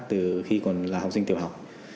từ khi còn là học sinh tiểu học